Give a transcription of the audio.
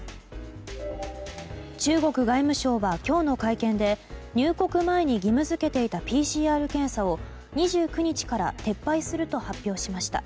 中国外務省は今日の会見で入国前に義務付けていたＰＣＲ検査を２９日から撤廃すると発表しました。